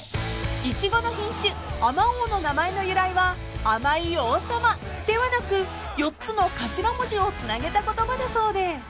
［イチゴの品種あまおうの名前の由来は「甘い王様」ではなく４つの頭文字をつなげた言葉だそうで］